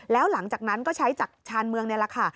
แล้วหลังจากนั้นก็ใช้จากชานเมืองนี่แหละค่ะ